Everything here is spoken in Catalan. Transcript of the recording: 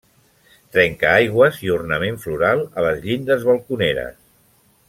Trencaaigües i ornament floral a les llindes balconeres.